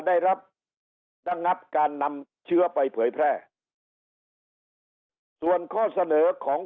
ได้รับระงับการนำเชื้อไปเผยแพร่ส่วนข้อเสนอของ